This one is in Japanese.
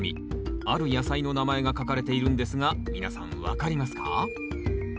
ある野菜の名前が書かれているんですが皆さん分かりますか？